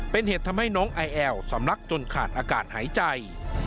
เป็นเหตุทำให้น้องไอแอลสำลักจนขาดอากาศหายใจ